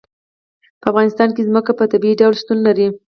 په افغانستان کې ځمکه په طبیعي ډول شتون لري.